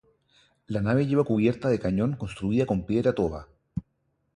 La nave lleva cubierta de cañón construida con piedra toba.